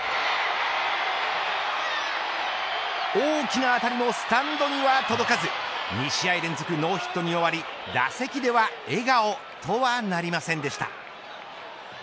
大きな当たりもスタンドには届かず２試合連続ノーヒットに終わり打席では笑顔とはなりませんでした。